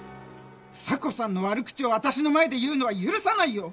房子さんの悪口をあたしの前で言うのは許さないよ！